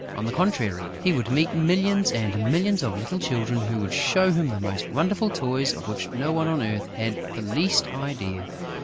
On the contrary, he would meet millions and millions of little children who would show him the most wonderful toys of which no one on earth had the least idea.